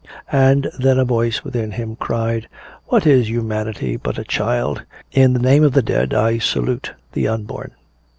And then a voice within him cried, "What is humanity but a child? In the name of the dead I salute the unborn!"